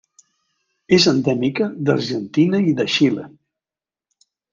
És endèmica d'Argentina i de Xile.